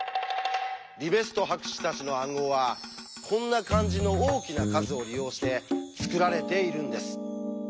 リベスト博士たちの暗号はこんな感じの大きな数を利用して作られているんです。